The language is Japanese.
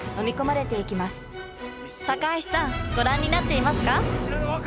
高橋さんご覧になっていますか？